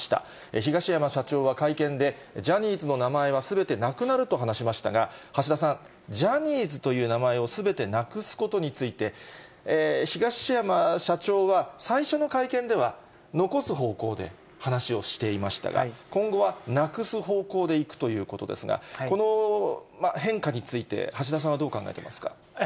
東山社長は会見で、ジャニーズの名前はすべてなくなると話しましたが、橋田さん、ジャニーズという名前をすべてなくすことについて、東山社長は最初の会見では、残す方向で話をしていましたが、今後はなくす方向でいくということですが、この変化について、橋田さんはどう考えてますか。